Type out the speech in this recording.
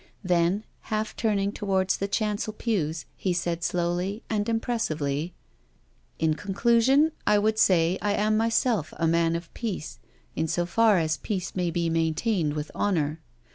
Then, half turning towards the chancel pews, he said slowly and impressively: " In conclusion I would say I am myself a man of peace, in so far as peace may be maintained with honour.